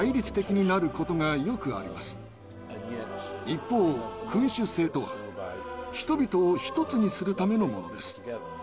一方君主制とは人々を一つにするためのものです。